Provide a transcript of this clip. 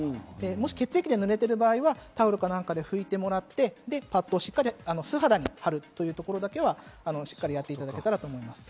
血液で濡れている場合はタオルか何かで拭いてもらって、パットをしっかり素肌に貼るというところだけはしっかりやっていただけたらと思います。